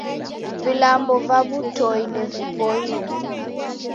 Vilambo va w'utoi ndevipoie.